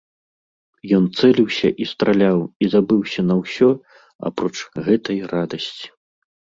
Ён цэліўся і страляў і забыўся на ўсё, апроч гэтай радасці.